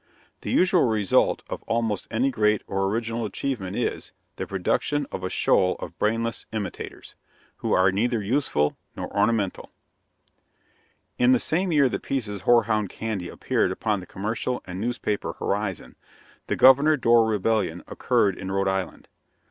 The usual result of almost any great and original achievement is, the production of a shoal of brainless imitators, who are "neither useful nor ornamental." In the same year that Pease's hoarhound candy appeared upon the commercial and newspaper horizon, the "Governor Dorr Rebellion" occurred in Rhode Island.